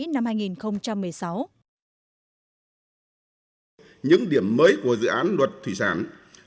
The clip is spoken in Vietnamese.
những điểm mới của dự án luật thủy sản